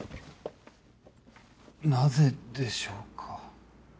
なぜでしょうか？